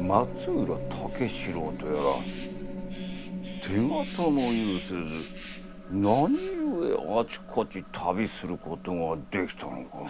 松浦武四郎とやら手形も有せず何故あちこち旅することができたのかな。